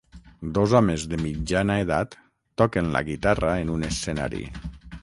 Dos homes de mitjana edat toquen la guitarra en un escenari.